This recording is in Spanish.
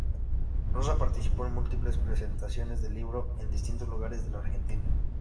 Rosa participó de múltiples presentaciones del libro en distintos lugares de la Argentina.